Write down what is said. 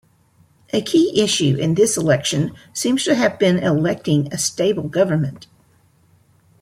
A key issue in this election seems to have been electing a stable government.